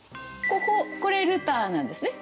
こここれルターなんですね。